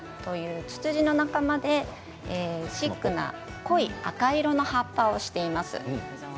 ツツジの仲間でシックな濃い赤色の葉っぱをしています。